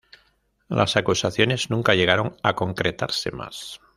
Las acusaciones nunca llegaron a concretarse más.